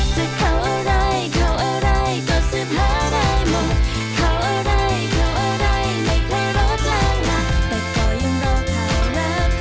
สามารถรับชมได้ทุกวัย